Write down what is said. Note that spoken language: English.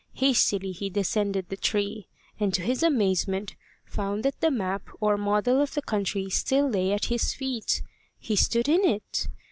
Hastily he descended the tree, and to his amazement found that the map or model of the country still lay at his feet. He stood in it.